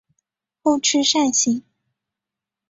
后翅扇形。